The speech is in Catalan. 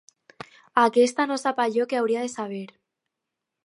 Aquesta no sap allò que hauria de saber.